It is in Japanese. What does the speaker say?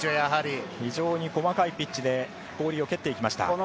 非常に細かいピッチで氷を蹴っていきました。